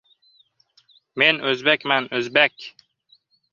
— Men o‘zbakman, o‘zbak!